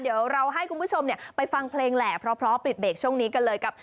เดี๋ยวเราให้คุณผู้ชมไปฟังเพลงแหละเพราะปิดเบรกช่วงนี้กันเลยกับ